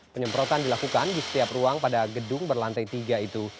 penyemprotan dilakukan di setiap ruang pada gedung berlantai tiga itu